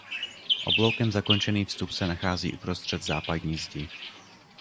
Obloukem zakončený vstup se nachází uprostřed západní zdi.